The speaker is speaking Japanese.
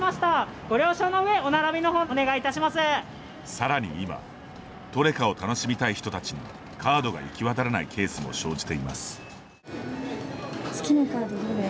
さらに今トレカを楽しみたい人たちにカードが行き渡らないケースも生じています。